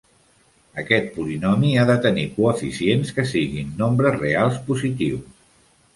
Aquest polinomi ha de tenir coeficients que siguin nombres reals positius.